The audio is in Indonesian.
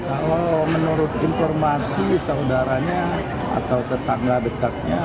kalau menurut informasi saudaranya atau tetangga dekatnya